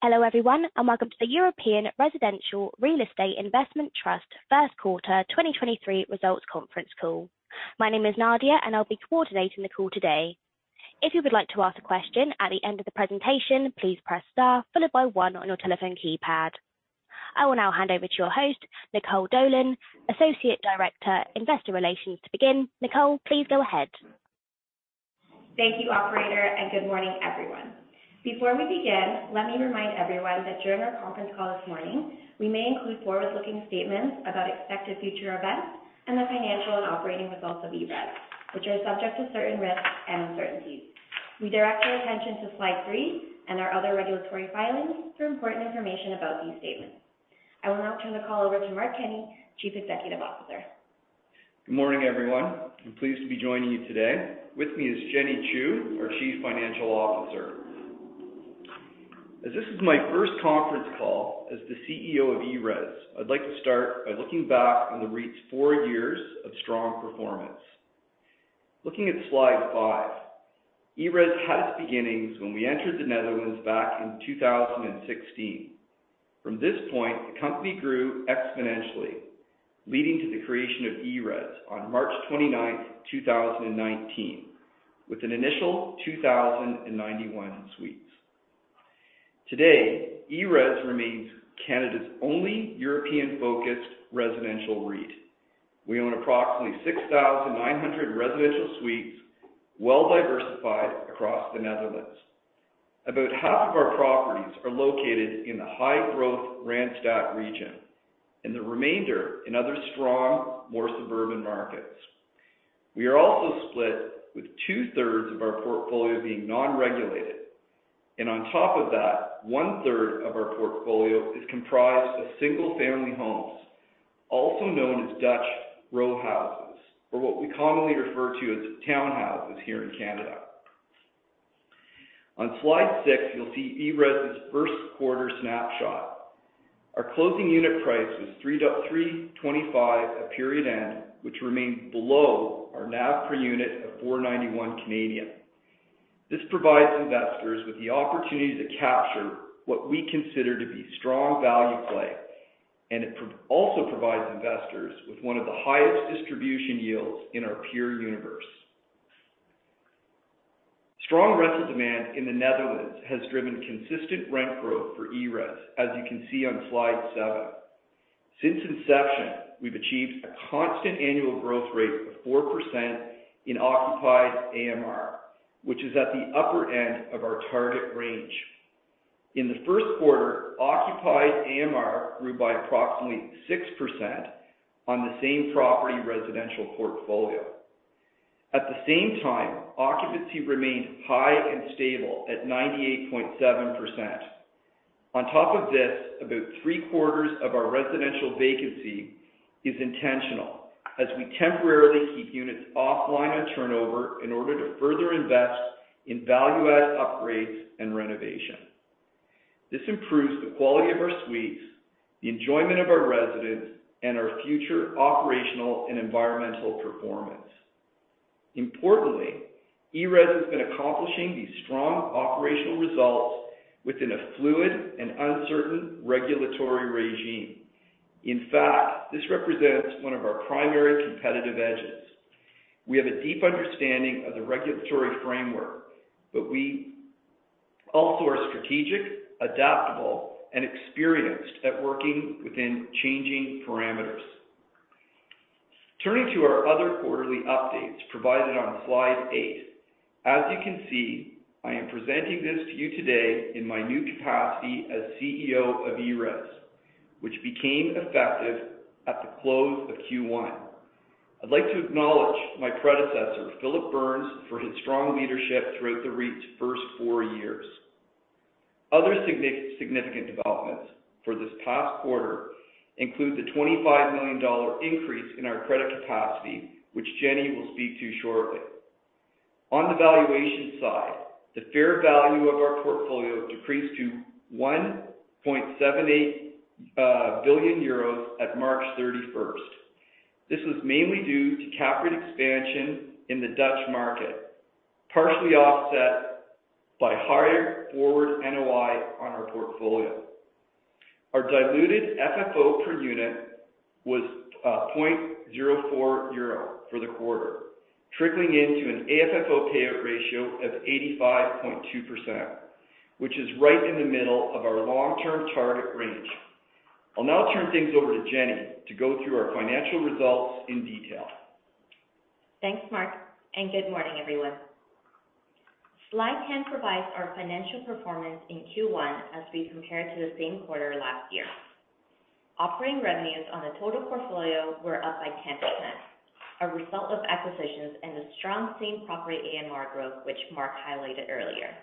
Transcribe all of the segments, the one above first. Hello everyone, and welcome to the European Residential Real Estate Investment Trust First Quarter 2023 Results Conference Call. My name is Nadia, and I'll be coordinating the call today. If you would like to ask a question at the end of the presentation, please press Star followed by one on your telephone keypad. I will now hand over to your host, Nicole Dolan, Associate Director, Investor Relations to begin. Nicole, please go ahead. Thank you Operator. Good morning everyone. Before we begin, let me remind everyone that during our conference call this morning, we may include forward-looking statements about expected future events and the financial and operating results of ERES, which are subject to certain risks and uncertainties. We direct your attention to slide three and our other regulatory filings for important information about these statements. I will now turn the call over to Mark Kenney, Chief Executive Officer. Good morning everyone. I'm pleased to be joining you today. With me is Jenny Chou, our Chief Financial Officer. As this is my first conference call as the CEO of ERES, I'd like to start by looking back on the REIT's four years of strong performance. Looking at slide five, ERES had its beginnings when we entered the Netherlands back in 2016. From this point, the company grew exponentially, leading to the creation of ERES on March 29, 2019, with an initial 2,091 suites. Today, ERES remains Canada's only European-focused residential REIT. We own approximately 6,900 residential suites, well-diversified across the Netherlands. About half of our properties are located in the high-growth Randstad region, and the remainder in other strong, more suburban markets. We are also split with two-thirds of our portfolio being non-regulated. On top of that, one-third of our portfolio is comprised of single-family homes, also known as Dutch row houses, or what we commonly refer to as townhouses here in Canada. On slide six, you'll see ERES's first quarter snapshot. Our closing unit price was CAD 3.325 at period end, which remained below our NAV per unit of 4.91 Canadian dollars. This provides investors with the opportunity to capture what we consider to be strong value play, and it also provides investors with one of the highest distribution yields in our peer universe. Strong rental demand in the Netherlands has driven consistent rent growth for ERES, as you can see on slide seven. Since inception, we've achieved a constant annual growth rate of 4% in occupied AMR, which is at the upper end of our target range. In the first quarter, occupied AMR grew by approximately 6% on the same property residential portfolio. At the same time, occupancy remained high and stable at 98.7%. On top of this, about 3/4 of our residential vacancy is intentional as we temporarily keep units offline on turnover in order to further invest in value add upgrades and renovation. This improves the quality of our suites, the enjoyment of our residents, and our future operational and environmental performance. Importantly, ERES has been accomplishing these strong operational results within a fluid and uncertain regulatory regime. In fact, this represents one of our primary competitive edges. We have a deep understanding of the regulatory framework, but we also are strategic, adaptable, and experienced at working within changing parameters. Turning to our other quarterly updates provided on slide eight. As you can see, I am presenting this to you today in my new capacity as CEO of ERES, which became effective at the close of Q1. I'd like to acknowledge my predecessor, Phillip Burns, for his strong leadership throughout the REIT's first four years. Other significant developments for this past quarter include the EUR 25 million increase in our credit capacity, which Jenny will speak to shortly. On the valuation side, the fair value of our portfolio decreased to 1.78 billion euros at March 31st. This was mainly due to cap rate expansion in the Dutch market, partially offset by higher forward NOI on our portfolio. Our diluted FFO per unit was 0.04 euro for the quarter, trickling into an AFFO payout ratio of 85.2%, which is right in the middle of our long-term target range. I'll now turn things over to Jenny to go through our financial results in detail. Thanks, Mark. Good morning everyone. Slide 10 provides our financial performance in Q1 as we compare to the same quarter last year. Operating revenues on the total portfolio were up by 10%, a result of acquisitions and the strong same property AMR growth, which Mark highlighted earlier.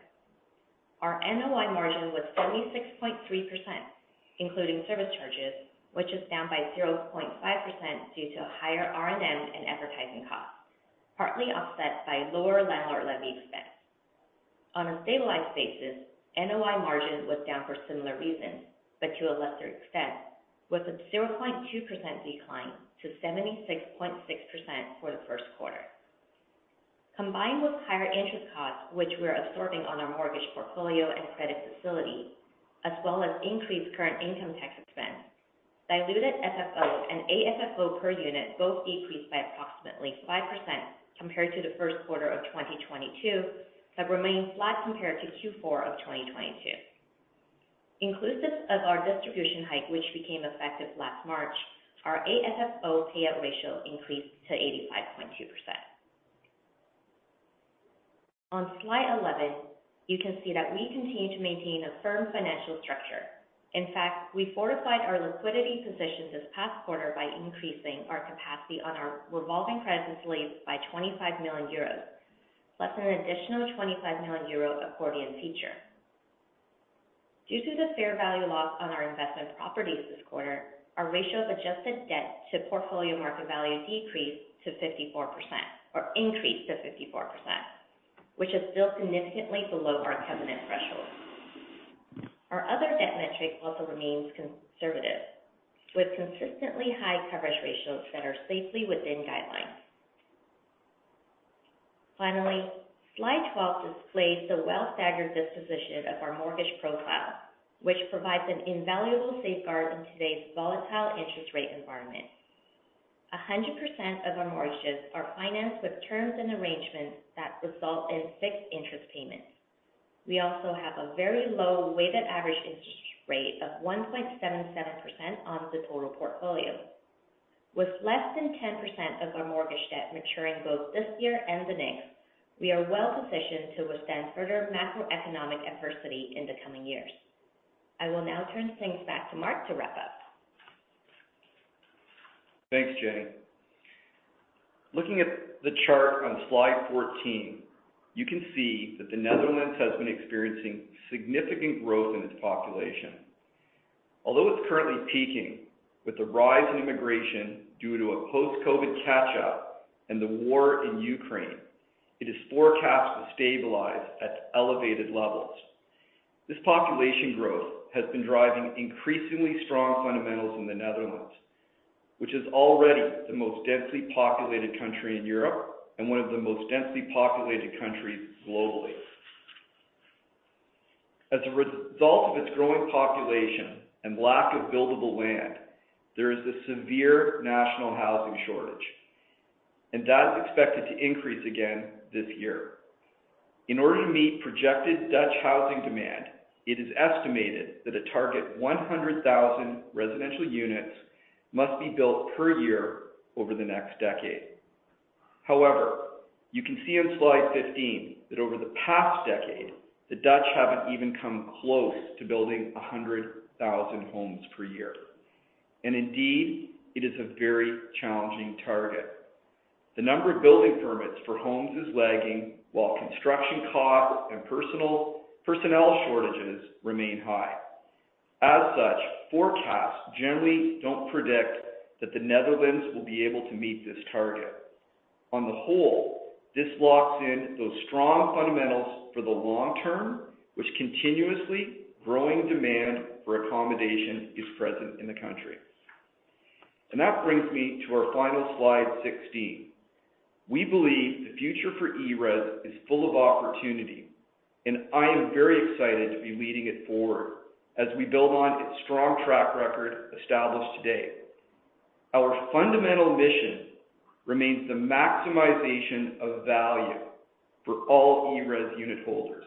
Our NOI margin was 76.3%, including service charges, which is down by 0.5% due to higher R&M and advertising costs, partly offset by lower landlord levy expense. On a stabilized basis, NOI margin was down for similar reasons, but to a lesser extent, with a 0.2% decline to 76.6% for the first quarter. Combined with higher interest costs, which we are absorbing on our mortgage portfolio and credit facility, as well as increased current income tax expense, diluted FFO and AFFO per unit both decreased by approximately 5% compared to the first quarter of 2022, but remained flat compared to Q4 of 2022. Inclusive of our distribution hike, which became effective last March, our AFFO payout ratio increased to 85.2%. On slide 11, you can see that we continue to maintain a firm financial structure. In fact, we fortified our liquidity position this past quarter by increasing our capacity on our revolving credit facilities by 25 million euros, plus an additional 25 million euro accordion feature. Due to the fair value loss on our investment properties this quarter, our ratio of adjusted debt to portfolio market value decreased to 54%. Increased to 54%, which is still significantly below our covenant threshold. Our other debt metric also remains conservative, with consistently high coverage ratios that are safely within guidelines. Finally, slide 12 displays the well staggered disposition of our mortgage profile, which provides an invaluable safeguard in today's volatile interest rate environment. A 100% of our mortgages are financed with terms and arrangements that result in fixed interest payments. We also have a very low weighted average interest rate of 1.77% on the total portfolio. With less than 10% of our mortgage debt maturing both this year and the next, we are well positioned to withstand further macroeconomic adversity in the coming years. I will now turn things back to Mark to wrap up. Thanks, Jenny. Looking at the chart on slide 14, you can see that the Netherlands has been experiencing significant growth in its population. Although it's currently peaking with the rise in immigration due to a post-COVID catch-up and the war in Ukraine, it is forecast to stabilize at elevated levels. This population growth has been driving increasingly strong fundamentals in the Netherlands, which is already the most densely populated country in Europe and one of the most densely populated countries globally. As a result of its growing population and lack of buildable land, there is a severe national housing shortage, and that is expected to increase again this year. In order to meet projected Dutch housing demand, it is estimated that a target 100,000 residential units must be built per year over the next decade. However, you can see on slide 15 that over the past decade, the Dutch haven't even come close to building 100,000 homes per year. Indeed, it is a very challenging target. The number of building permits for homes is lagging, while construction costs and personnel shortages remain high. As such, forecasts generally don't predict that the Netherlands will be able to meet this target. On the whole, this locks in those strong fundamentals for the long term, which continuously growing demand for accommodation is present in the country. That brings me to our final slide, 16. We believe the future for ERES is full of opportunity, and I am very excited to be leading it forward as we build on its strong track record established today. Our fundamental mission remains the maximization of value for all ERES unitholders.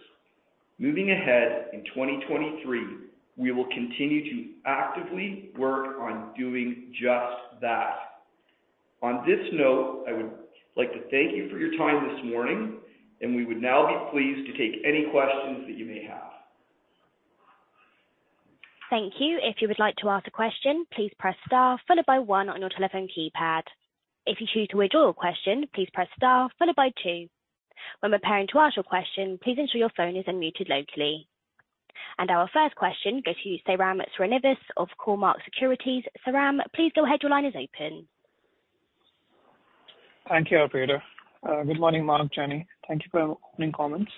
Moving ahead in 2023, we will continue to actively work on doing just that. On this note, I would like to thank you for your time this morning, and we would now be pleased to take any questions that you may have. Thank you. If you would like to ask a question, please press star followed by one on your telephone keypad. If you choose to withdraw your question, please press star followed by two. When preparing to ask your question, please ensure your phone is unmuted locally. Our first question goes to Sairam Srinivas of Cormark Securities. Sairam, please go ahead. Your line is open. Thank you, operator. Good morning, Mark, Jenny. Thank you for opening comments.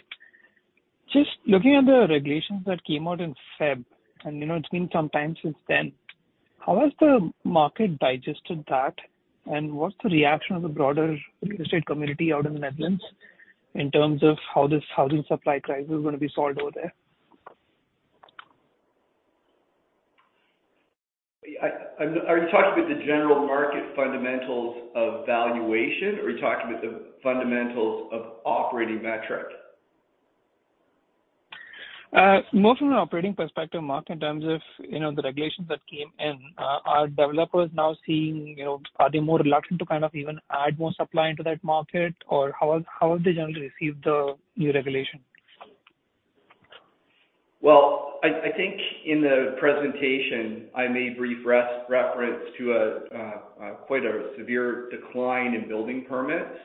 Just looking at the regulations that came out in Feb, and you know, it's been some time since then. How has the market digested that? What's the reaction of the broader real estate community out in the Netherlands in terms of how this housing supply crisis is gonna be solved over there? Are you talking about the general market fundamentals of valuation, or are you talking about the fundamentals of operating metrics? More from an operating perspective, Mark, in terms of, you know, the regulations that came in. Are developers now seeing, you know, are they more reluctant to kind of even add more supply into that market, or how have they generally received the new regulation? Well, I think in the presentation I made brief reference to a quite a severe decline in building permits.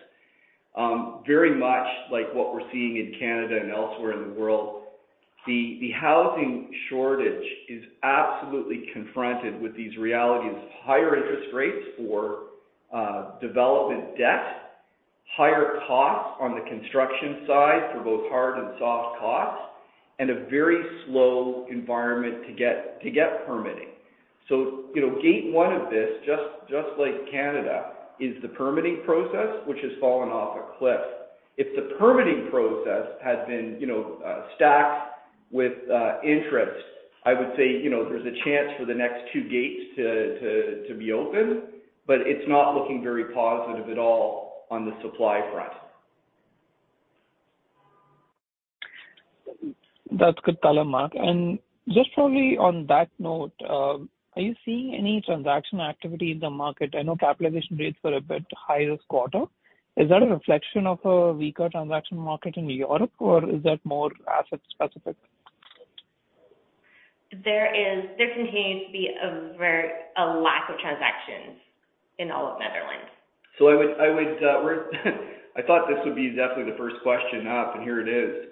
Very much like what we're seeing in Canada and elsewhere in the world. The housing shortage is absolutely confronted with these realities of higher interest rates for development debt, higher costs on the construction side for both hard and soft costs, and a very slow environment to get permitting. You know, gate one of this, just like Canada, is the permitting process, which has fallen off a cliff. If the permitting process had been, you know, stacked with interest, I would say, you know, there's a chance for the next two gates to be open, but it's not looking very positive at all on the supply front. That's good color, Mark. Just probably on that note, are you seeing any transaction activity in the market? I know capitalization rates were a bit higher this quarter. Is that a reflection of a weaker transaction market in New York or is that more asset-specific? There continues to be a lack of transactions in all of Netherlands. I would, I thought this would be definitely the first question up, and here it is.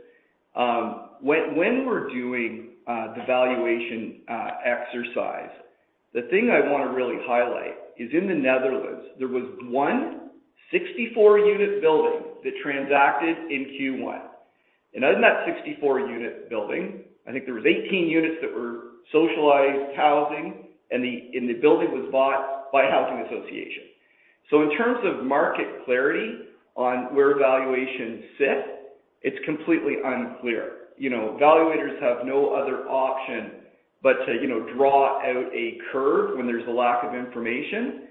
When we're doing the valuation exercise, the thing I wanna really highlight is in the Netherlands, there was 164 unit building that transacted in Q1. In that 64 unit building, I think there was 18 units that were socialized housing and the building was bought by a housing association. In terms of market clarity on where valuations sit, it's completely unclear. You know, valuators have no other option but to, you know, draw out a curve when there's a lack of information.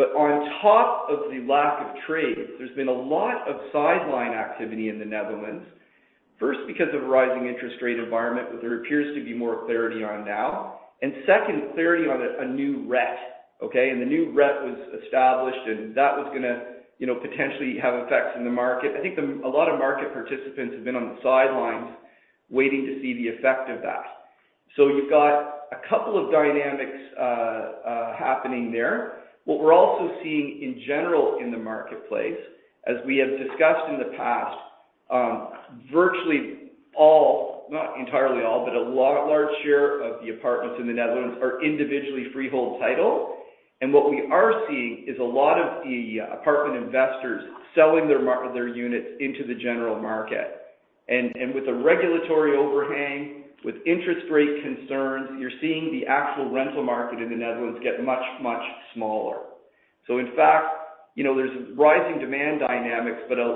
On top of the lack of trade, there's been a lot of sideline activity in the Netherlands. First, because of a rising interest rate environment, where there appears to be more clarity on now. Second, clarity on a new REIT, okay. The new REIT was established, and that was gonna, you know, potentially have effects in the market. I think a lot of market participants have been on the sidelines waiting to see the effect of that. You've got a couple of dynamics happening there. What we're also seeing in general in the marketplace, as we have discussed in the past, virtually all, not entirely all, but a large share of the apartments in the Netherlands are individually freehold title. What we are seeing is a lot of the apartment investors selling their units into the general market. With a regulatory overhang, with interest rate concerns, you're seeing the actual rental market in the Netherlands get much, much smaller. In fact, you know, there's rising demand dynamics but an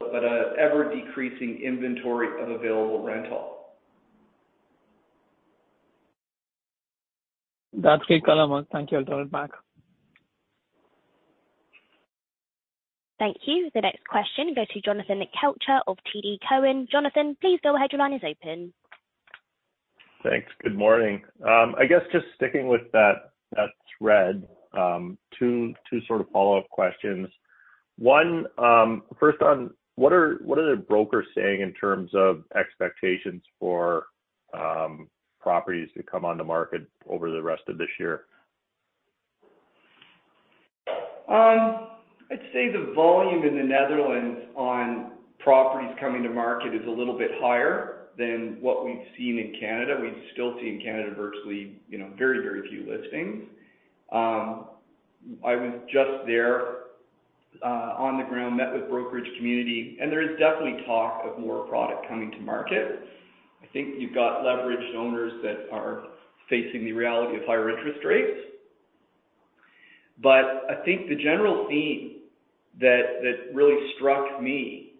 ever-decreasing inventory of available rental. That's clear color, Mark. Thank you. I'll turn it back. Thank you. The next question will go to Jonathan Kelcher of TD Cowen. Jonathan, please go ahead. Your line is open. Thanks. Good morning. I guess just sticking with that thread, two sort of follow-up questions. One, first on what are the brokers saying in terms of expectations for properties to come on the market over the rest of this year? I'd say the volume in the Netherlands on properties coming to market is a little bit higher than what we've seen in Canada. We still see in Canada virtually, you know, very few listings. I was just there on the ground, met with brokerage community, there is definitely talk of more product coming to market. I think you've got leveraged owners that are facing the reality of higher interest rates. I think the general theme that really struck me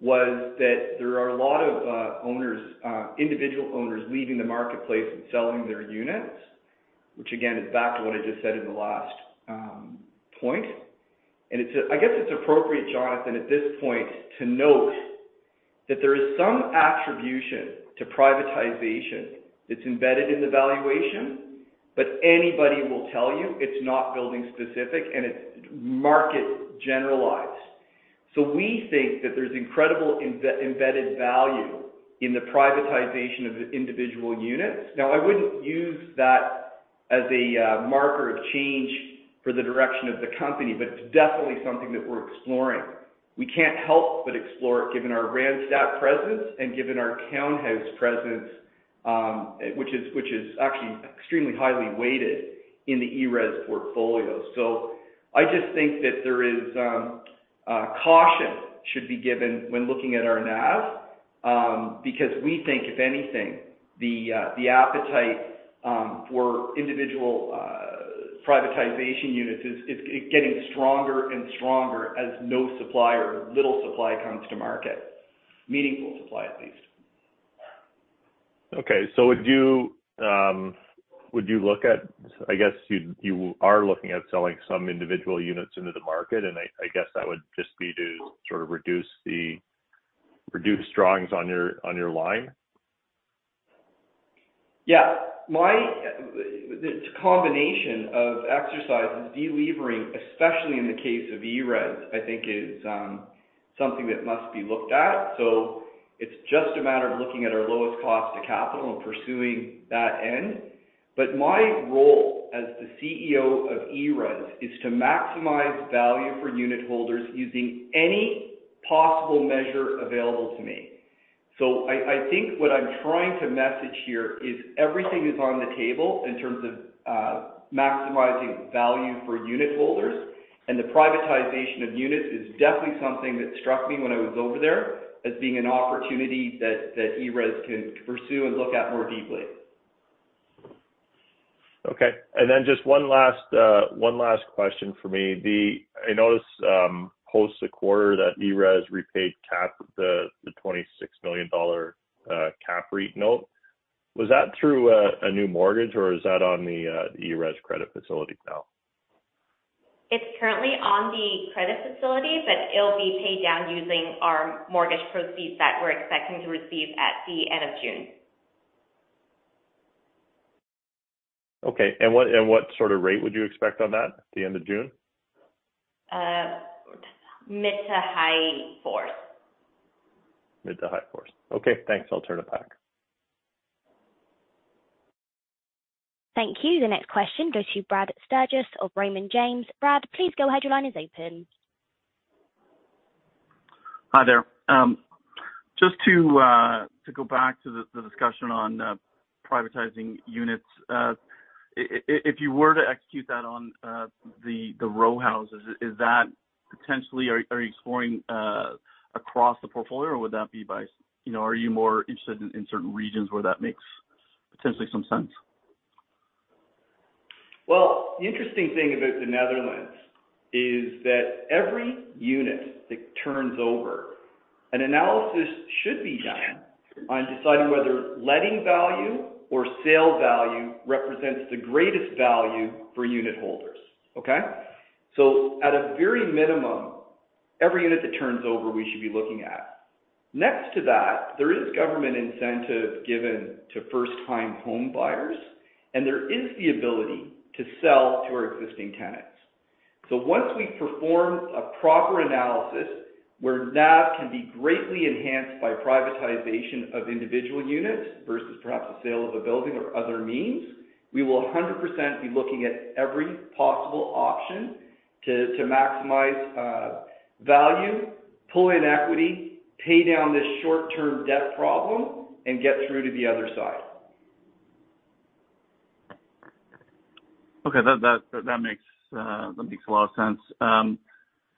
was that there are a lot of owners, individual owners leaving the marketplace and selling their units, which again, is back to what I just said in the last point. I guess it's appropriate, Jonathan, at this point to note that there is some attribution to privatization that's embedded in the valuation. Anybody will tell you it's not building specific and it's market generalized. We think that there's incredible embedded value in the privatization of the individual units. Now, I wouldn't use that as a marker of change for the direction of the company, but it's definitely something that we're exploring. We can't help but explore it given our Randstad presence and given our townhouse presence, which is, which is actually extremely highly weighted in the ERES portfolio. I just think that there is caution should be given when looking at our NAV, because we think if anything, the appetite for individual privatization units is getting stronger and stronger as no supply or little supply comes to market. Meaningful supply, at least. Okay. Would you look at, I guess you are looking at selling some individual units into the market, and I guess that would just be to sort of reduce drawings on your line? It's a combination of exercises. Delevering, especially in the case of ERES, I think is something that must be looked at. It's just a matter of looking at our lowest cost to capital and pursuing that end. My role as the CEO of ERES is to maximize value for unitholders using any possible measure available to me. I think what I'm trying to message here is everything is on the table in terms of maximizing value for unitholders. The privatization of units is definitely something that struck me when I was over there as being an opportunity that ERES can pursue and look at more deeply. Okay. Then just one last question for me. I noticed, post a quarter that ERES repaid the 26 million dollar Cap rate note. Was that through a new mortgage, or is that on the ERES credit facility now? It's currently on the credit facility, but it'll be paid down using our mortgage proceeds that we're expecting to receive at the end of June. Okay. What sort of rate would you expect on that at the end of June? Mid to high fours. Mid to high fours. Okay, thanks. I'll turn it back. Thank you. The next question goes to Brad Sturges of Raymond James. Brad, please go ahead. Your line is open. Hi there. Just to go back to the discussion on privatizing units. If you were to execute that on the row houses, is that potentially. Are you exploring across the portfolio, or would that be by, you know, are you more interested in certain regions where that makes potentially some sense? The interesting thing about the Netherlands is that every unit that turns over, an analysis should be done on deciding whether letting value or sale value represents the greatest value for unitholders. Okay? At a very minimum, every unit that turns over, we should be looking at. Next to that, there is government incentive given to first-time home buyers, and there is the ability to sell to our existing tenants. Once we perform a proper analysis where NAV can be greatly enhanced by privatization of individual units versus perhaps the sale of a building or other means, we will 100% be looking at every possible option to maximize value, pull in equity, pay down this short-term debt problem, and get through to the other side. Okay. That makes a lot of sense.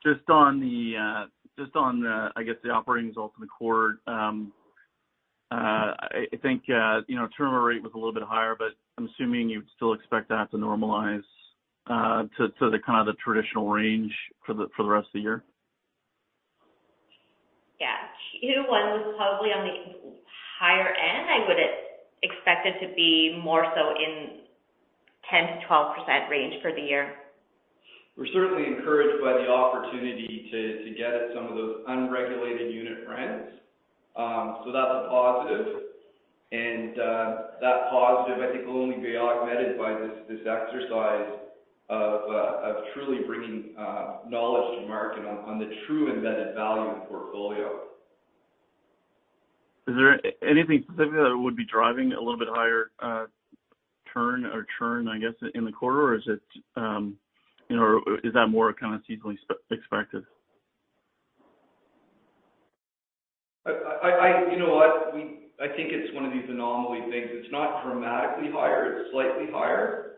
Just on the, I guess, the operating results in the quarter, I think, you know, turnover rate was a little bit higher, but I'm assuming you'd still expect that to normalize to the kind of the traditional range for the rest of the year. Yeah. Q1 was probably on the higher end. I would expect it to be more so in 10%-12% range for the year. We're certainly encouraged by the opportunity to get at some of those unregulated unit rents. That's a positive. That positive I think will only be augmented by this exercise of truly bringing knowledge to market on the true embedded value of the portfolio. Is there anything specific that would be driving a little bit higher, turn or churn, I guess, in the quarter? Or is it, you know, or is that more kind of seasonally expected? I You know what? I think it's one of these anomaly things. It's not dramatically higher, it's slightly higher.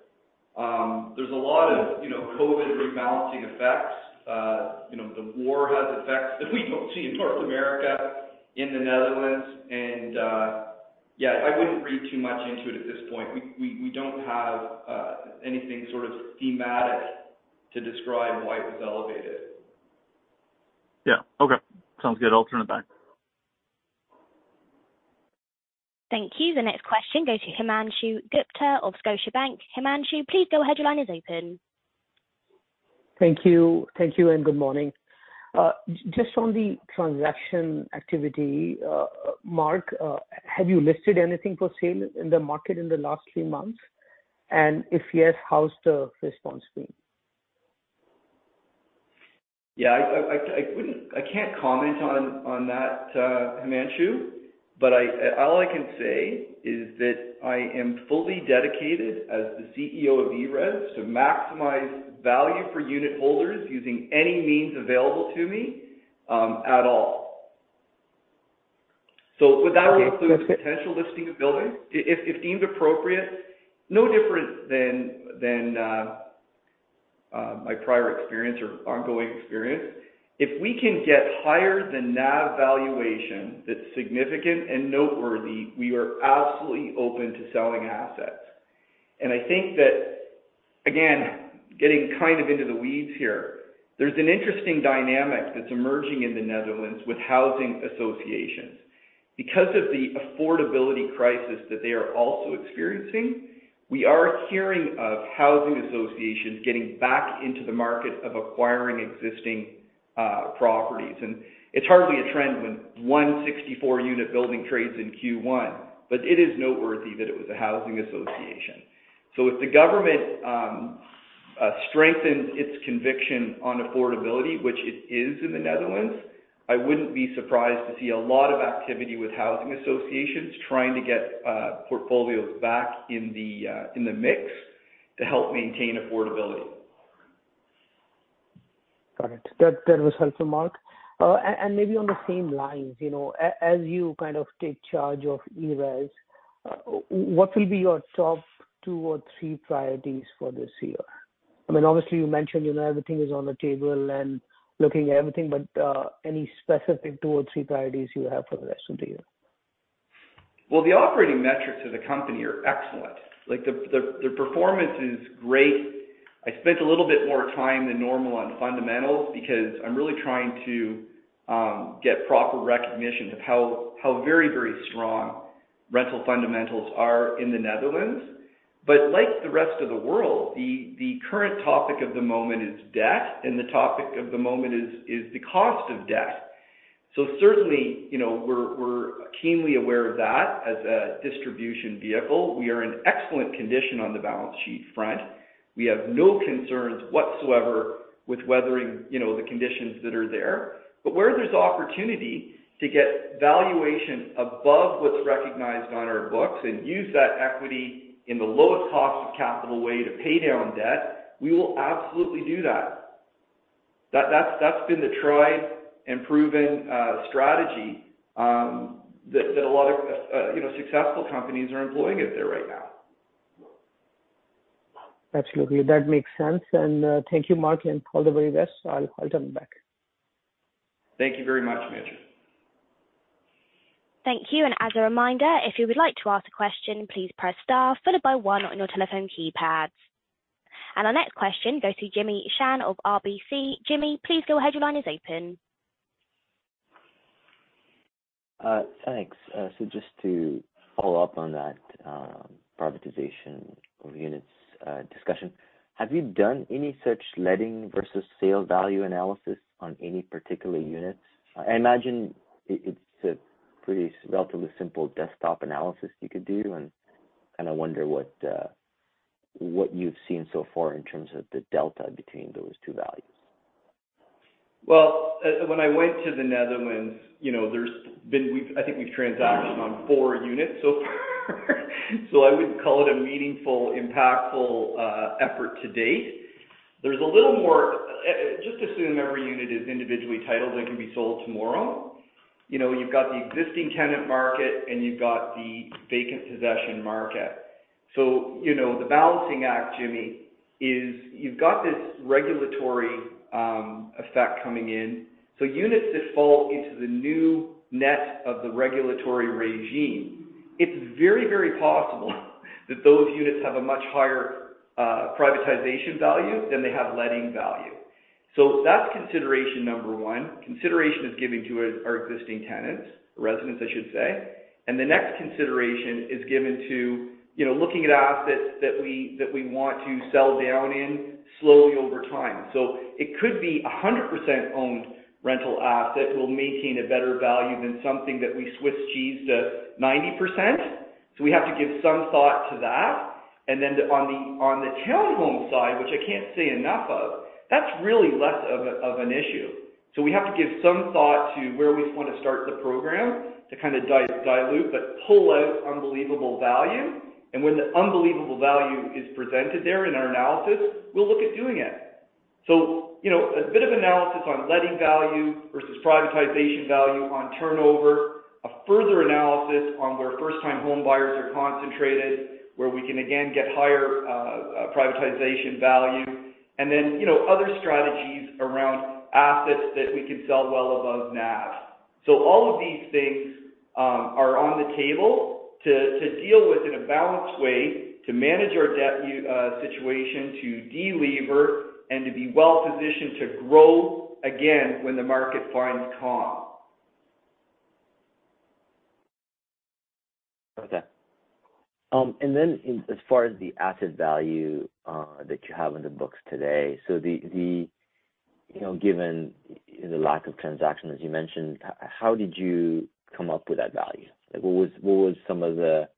There's a lot of, you know, COVID rebalancing effects. You know, the war has effects that we don't see in North America, in the Netherlands. Yeah, I wouldn't read too much into it at this point. We don't have anything sort of thematic to describe why it was elevated. Yeah. Okay. Sounds good. I'll turn it back. Thank you. The next question goes to Himanshu Gupta of Scotiabank. Himanshu, please go ahead. Your line is open. Thank you. Thank you, and good morning. Just on the transaction activity, Mark, have you listed anything for sale in the market in the last thre months? If yes, how's the response been? Yeah, I can't comment on that, Himanshu. I, all I can say is that I am fully dedicated as the CEO of ERES to maximize value for unitholders using any means available to me at all. Would that include. Okay. Potential listing of buildings? If deemed appropriate, no different than my prior experience or ongoing experience. If we can get higher than NAV valuation that's significant and noteworthy, we are absolutely open to selling assets. I think that, again, getting kind of into the weeds here, there's an interesting dynamic that's emerging in the Netherlands with housing associations. Because of the affordability crisis that they are also experiencing, we are hearing of housing associations getting back into the market of acquiring existing properties. It's hardly a trend when 164 unit building trades in Q1, but it is noteworthy that it was a housing association. If the government strengthens its conviction on affordability, which it is in the Netherlands, I wouldn't be surprised to see a lot of activity with housing associations trying to get portfolios back in the mix to help maintain affordability. Got it. That was helpful, Mark. Maybe on the same lines, you know, as you kind of take charge of ERES, what will be your top two or three priorities for this year? I mean, obviously, you mentioned, you know, everything is on the table and looking at everything, but any specific two or three priorities you have for the rest of the year. Well, the operating metrics of the company are excellent. Like, the performance is great. I spent a little bit more time than normal on fundamentals because I'm really trying to get proper recognition of how very, very strong rental fundamentals are in the Netherlands. Like the rest of the world, the current topic of the moment is debt, and the topic of the moment is the cost of debt. Certainly, you know, we're keenly aware of that as a distribution vehicle. We are in excellent condition on the balance sheet front. We have no concerns whatsoever with weathering, you know, the conditions that are there. Where there's opportunity to get valuation above what's recognized on our books and use that equity in the lowest cost of capital way to pay down debt, we will absolutely do that. That's been the tried and proven strategy that a lot of, you know, successful companies are employing out there right now. Absolutely. That makes sense. Thank you, Mark, and all the very best. I'll turn it back. Thank you very much, Himanshu. Thank you. As a reminder, if you would like to ask a question, please press star followed by one on your telephone keypads. Our next question goes to Jimmy Shan of RBC. Jimmy, please go ahead. Your line is open. Thanks. Just to follow up on that, privatization of units, discussion. Have you done any such letting versus sale value analysis on any particular units? I imagine it's a pretty relatively simple desktop analysis you could do, and kind of wonder what you've seen so far in terms of the delta between those two values. When I went to the Netherlands, you know, I think we've transacted on four units so far. I wouldn't call it a meaningful, impactful effort to date. There's a little more. Just assume every unit is individually titled and can be sold tomorrow. You know, you've got the existing tenant market, and you've got the vacant possession market. You know, the balancing act, Jimmy, is you've got this regulatory effect coming in. Units that fall into the new net of the regulatory regime, it's very, very possible that those units have a much higher privatization value than they have letting value. That's consideration number one. Consideration is given to our existing tenants, residents, I should say. The next consideration is given to, you know, looking at assets that we want to sell down in slowly over time. It could be a 100% owned rental asset will maintain a better value than something that we Swiss cheesed at 90%. We have to give some thought to that. On the townhome side, which I can't say enough of, that's really less of an issue. We have to give some thought to where we want to start the program to kind of dilute but pull out unbelievable value. When the unbelievable value is presented there in our analysis, we'll look at doing it. You know, a bit of analysis on letting value versus privatization value on turnover, a further analysis on where first-time home buyers are concentrated, where we can again get higher privatization value. You know, other strategies around assets that we can sell well above NAV. All of these things are on the table to deal with in a balanced way to manage our debt situation, to delever, and to be well-positioned to grow again when the market finds calm. As far as the asset value that you have in the books today. The, you know, given the lack of transaction, as you mentioned, how did you come up with that value? Like what was some of the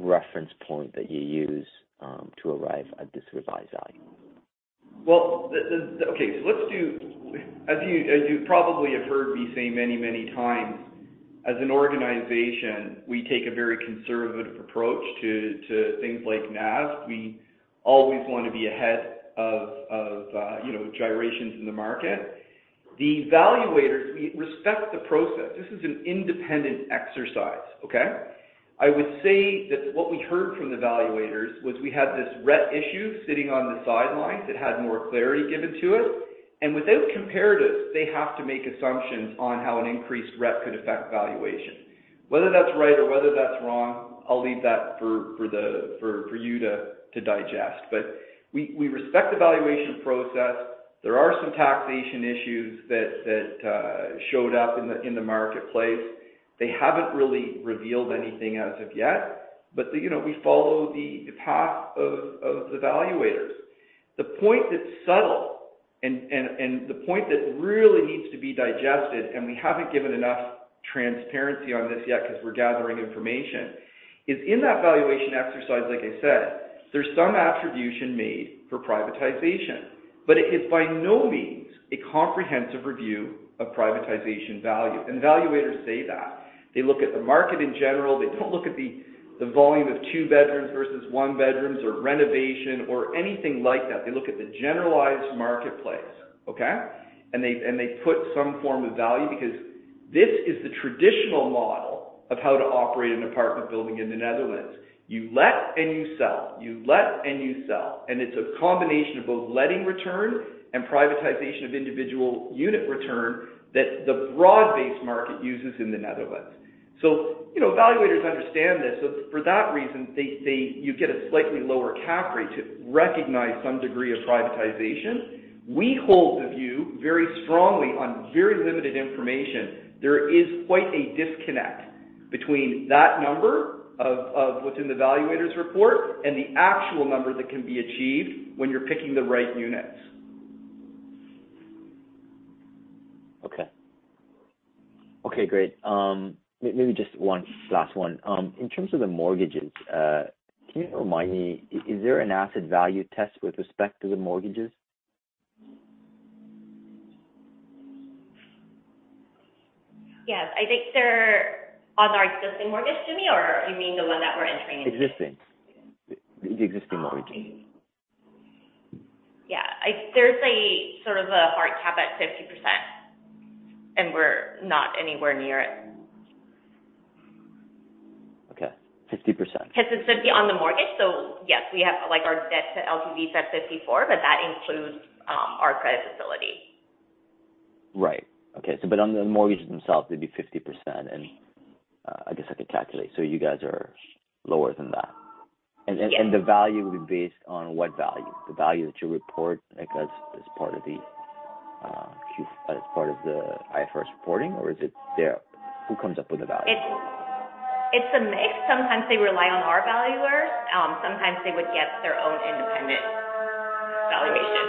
reference point that you used to arrive at this revised value? Well, as you probably have heard me say many, many times, as an organization, we take a very conservative approach to things like NAV. We always want to be ahead of, you know, gyrations in the market. The evaluators, we respect the process. This is an independent exercise. I would say that what we heard from the evaluators was we had this REIT issue sitting on the sidelines that had more clarity given to it. Without comparatives, they have to make assumptions on how an increased REIT could affect valuation. Whether that's right or whether that's wrong, I'll leave that for the, for you to digest. We respect the valuation process. There are some taxation issues that showed up in the marketplace. They haven't really revealed anything as of yet. You know, we follow the path of the valuators. The point that's subtle and the point that really needs to be digested, and we haven't given enough transparency on this yet because we're gathering information, is in that valuation exercise, like I said, there's some attribution made for privatization. It is by no means a comprehensive review of privatization value. Valuators say that. They look at the market in general. They don't look at the volume of two bedrooms versus one bedrooms or renovation or anything like that. They look at the generalized marketplace, okay? They put some form of value because this is the traditional model of how to operate an apartment building in the Netherlands. You let and you sell, you let and you sell. It's a combination of both letting return and privatization of individual unit return that the broad-based market uses in the Netherlands. You know, valuators understand this. For that reason, you get a slightly lower cap rate to recognize some degree of privatization. We hold the view very strongly on very limited information. There is quite a disconnect between that number of what's in the valuator's report and the actual number that can be achieved when you're picking the right units. Okay. Okay, great. Maybe just one last one. In terms of the mortgages, can you remind me, is there an asset value test with respect to the mortgages? Yes. I think they're on our existing mortgage, Jimmy, or you mean the one that we're entering into? Existing. The existing mortgage. Oh, okay. Yeah. There's a sort of a hard cap at 50%, and we're not anywhere near it. Okay. 50%. Because it's 50% on the mortgage, so yes, we have, like, our debt to LTV is at 54%, but that includes our credit facility. Right. Okay. On the mortgages themselves, it'd be 50% and, I guess I could calculate. You guys are lower than that. Yes. The value would be based on what value? The value that you report, like, as part of the IFRS reporting, or is it their? Who comes up with the value? It's a mix. Sometimes they rely on our valuers. Sometimes they would get their own independent valuation.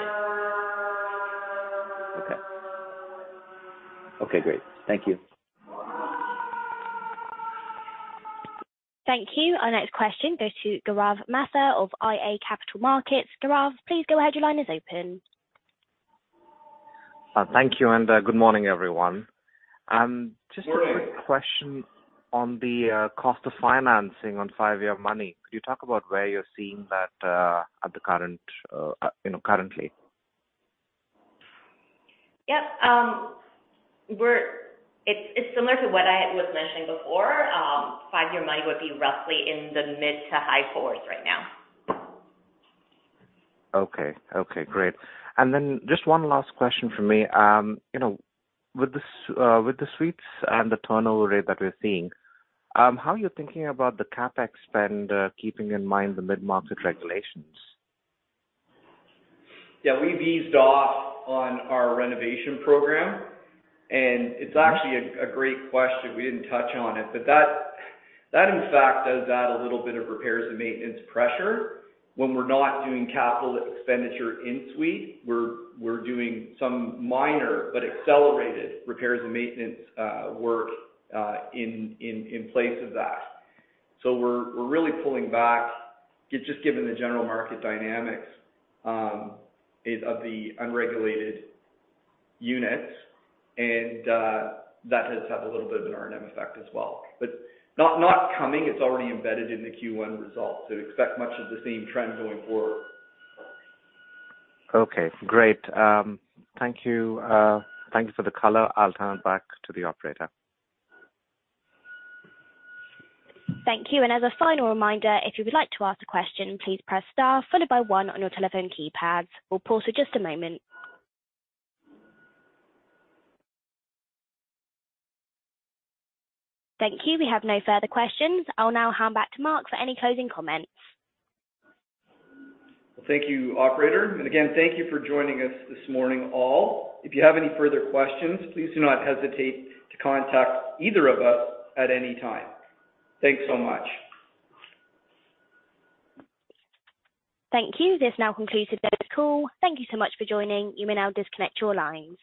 Okay. Okay, great. Thank you. Thank you. Our next question goes to Gaurav Mathur of iA Capital Markets. Gaurav, please go ahead. Your line is open. Thank you, and good morning, everyone. Just a quick question on the cost of financing on 5-year money. Could you talk about where you're seeing that at the current, you know, currently? Yep. It's similar to what I was mentioning before. Five-year money would be roughly in the mid to high fours right now. Okay. Okay, great. Just one last question from me. you know, with the suites and the turnover rate that we're seeing, how are you thinking about the CapEx spend, keeping in mind the mid-market regulations? Yeah. We've eased off on our renovation program. It's actually a great question. We didn't touch on it. That in fact does add a little bit of repairs and maintenance pressure. When we're not doing capital expenditure in suite, we're doing some minor but accelerated repairs and maintenance work in place of that. We're really pulling back just given the general market dynamics of the unregulated units. That has had a little bit of an R&M effect as well. Not coming. It's already embedded in the Q1 results. Expect much of the same trend going forward. Great. Thank you. Thank you for the color. I'll turn it back to the operator. Thank you. As a final reminder, if you would like to ask a question, please press star followed by one on your telephone keypads. We'll pause for just a moment. Thank you. We have no further questions. I'll now hand back to Mark for any closing comments. Thank you, operator. Again, thank you for joining us this morning, all. If you have any further questions, please do not hesitate to contact either of us at any time. Thanks so much. Thank you. This now concludes today's call. Thank you so much for joining. You may now disconnect your lines.